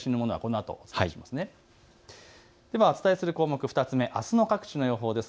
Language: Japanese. お伝えする項目、２つ目、あすの各地の予報です。